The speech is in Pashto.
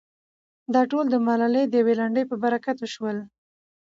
دا ټول د ملالې د يوې لنډۍ په برکت وشول.